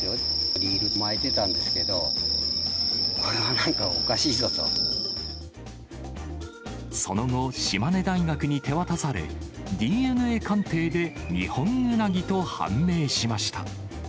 リール巻いてたんですけど、その後、島根大学に手渡され、ＤＮＡ鑑定でニホンウナギと判明しました。